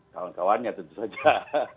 kawan kawannya tentu saja